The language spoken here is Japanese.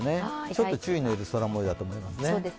ちょっと注意が要る空もようだと思います。